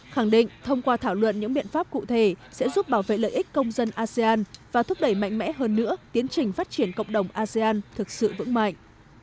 khẳng định thông qua thảo luận những biện pháp cụ thể sẽ giúp bảo vệ lợi ích công dân asean và thúc đẩy mạnh mẽ hơn nữa tiến trình phát triển cộng đồng asean thực sự vững mạnh